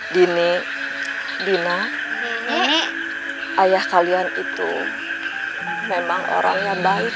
dini dina nenek ayah kalian itu memang orang yang baik